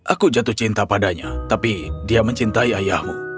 aku jatuh cinta padanya tapi dia mencintai ayahmu